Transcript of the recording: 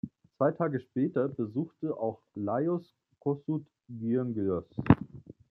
Zwei Tage später besuchte auch Lajos Kossuth Gyöngyös.